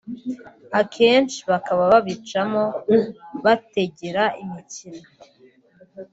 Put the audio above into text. abenshi bakaba babicamo bategera imikino